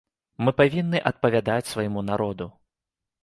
Мы павінны адпавядаць свайму народу.